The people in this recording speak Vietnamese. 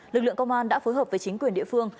lực lượng công an đã phối hợp với chính quyền địa phương